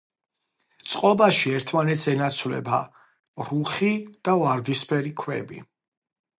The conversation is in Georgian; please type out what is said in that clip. წყობაში ერთმანეთს ენაცვლება რუხი და ვარდისფერი ქვები.